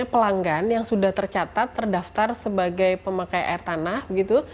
pelanggan yang sudah tercatat terdaftar sebagai pemakai air tanah begitu